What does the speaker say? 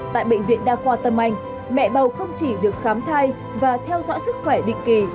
tại bệnh viện đa khoa tâm anh mẹ bầu không chỉ được khám thai và theo dõi sức khỏe định kỳ